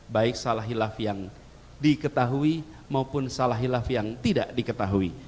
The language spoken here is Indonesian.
baik salah hilaf yang diketahui maupun salah hilaf yang tidak diketahui